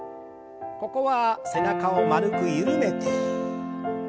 ここは背中を丸く緩めて。